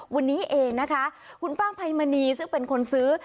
วันนี้เองนะคะคุณป้าไพมณีซึ่งเป็นคนซื้อ